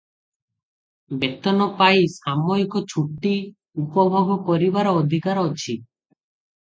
ବେତନ ପାଇ ସାମୟିକ ଛୁଟି ଉପଭୋଗ କରିବାର ଅଧିକାର ଅଛି ।